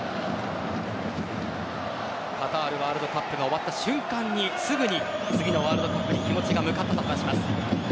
カタールワールドカップが終わった瞬間にすぐに次のワールドカップに気持ちが向かったと話します。